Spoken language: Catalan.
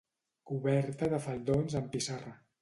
Coberta de faldons amb pissarra.